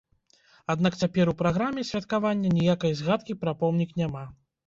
Аднак цяпер у праграме святкавання ніякай згадкі пра помнік няма.